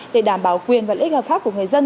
để đảm bảo quyền và lợi ích hợp pháp của người dân